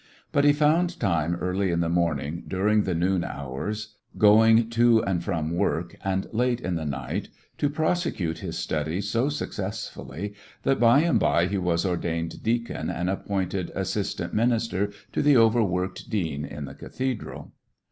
But he found time early in the morning, during the noon hours, going to and from work, and late in the night, to prosecute his studies so successfully that by and by he was ordained deacon and appointed assistant minister to the overworked dean in the cathedral.